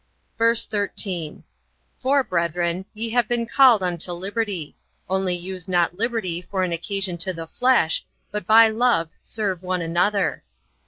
VERSE 13. For, brethren, ye have been called unto liberty; only use not liberty for an occasion to the flesh, but by love serve one another.